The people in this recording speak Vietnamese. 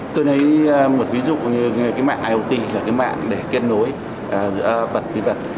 tôi thấy một ví dụ như mạng iot là mạng để kết nối giữa vật với vật